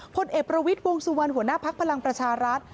พลเอกประวิทย์วงสุวรรณหัวหน้าภักดิ์พลังประชารัฐ